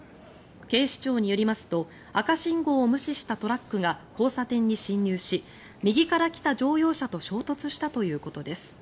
警視庁によりますと赤信号を無視したトラックが交差点に進入し右から来た乗用車と衝突したということです。